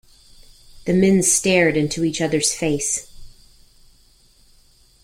The men stared into each other's face.